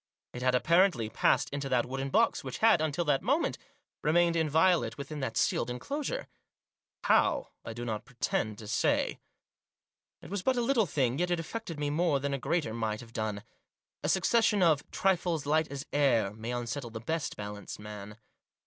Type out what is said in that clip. It had, apparently, passed into that wooden box, which had, until that moment, remained Digitized by 186 THE JOSS. inviolate within that sealed enclosure. How, I do not pretend to say. It was but a little thing, yet it affected me more than a greater might have done. A succession of " trifles light as air " may unsettle the best balanced mind.